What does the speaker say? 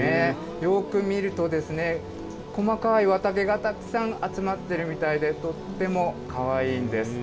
よく見ると、細かい綿毛がたくさん集まっているみたいで、とってもかわいいんです。